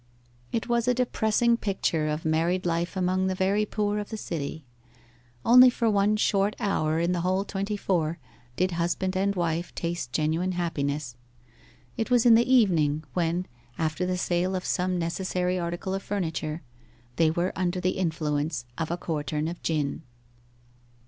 It was a depressing picture of married life among the very poor of a city. Only for one short hour in the whole twenty four did husband and wife taste genuine happiness. It was in the evening, when, after the sale of some necessary article of furniture, they were under the influence of a quartern of gin.